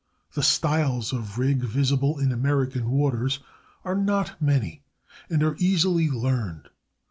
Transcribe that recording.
The styles of rig visible in American waters are not many, and are easily learned.